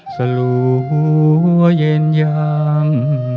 สลัวเย็นยัง